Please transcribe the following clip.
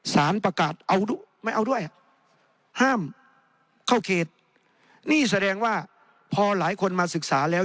สารประกาศเอาด้วยไม่เอาด้วยห้ามเข้าเขตนี่แสดงว่าพอหลายคนมาศึกษาแล้ว